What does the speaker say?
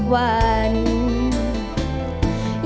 กลับลาแม่พอหลังจากเรียนจบหมอปลาย